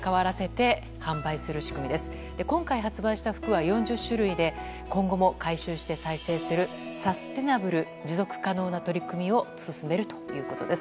今回発売した服は４０種類で今後も回収して再生するサステナブル持続可能な取り組みを進めるということです。